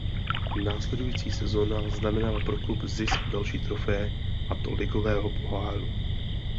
Následující sezóna znamenala pro klub zisk další trofeje a to Ligového poháru.